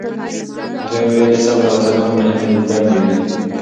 هغې ویلي، صبر او حوصله مهمې زده کړې دي.